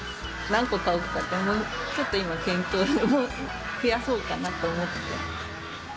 何個買おうか、ちょっと今検討、増やそうかなと思って。